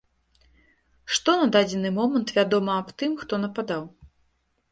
Што на дадзены момант вядома аб тым, хто нападаў?